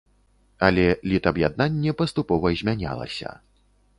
Але літаб'яднанне паступова змянялася.